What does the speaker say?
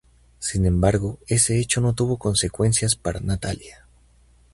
Sin embargo, ese hecho no tuvo consecuencias para Natalia.